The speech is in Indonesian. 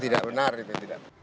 tidak benar itu tidak